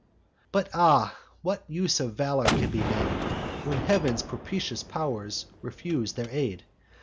"But, ah! what use of valour can be made, When heav'n's propitious pow'rs refuse their aid!